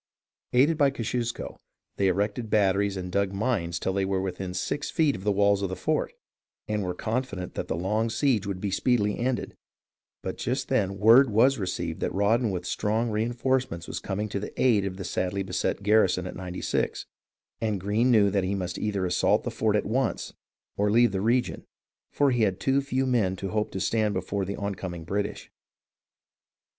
Aided by Kosciusko, they erected batteries and dug mines till they were within six feet of the walls of th e fort, and were con fident that the long siege would speedily be ended ; but just then word was received that Rawdon with strong reenforcements was coming to the aid of the sadly beset garrison at Ninety Six, and Greene knew that he must either assault the fort at once or leave the region, for he had too few men to hope to stand before the oncoming British.